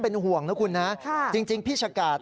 เป็นห่วงนะคุณนะจริงพี่ชะกาด